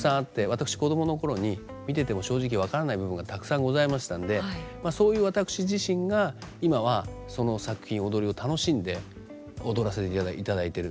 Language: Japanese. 私子供の頃に見てても正直分からない部分がたくさんございましたんでそういう私自身が今はその作品踊りを楽しんで踊らせていただいてる。